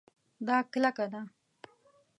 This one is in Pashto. دا کلکه ده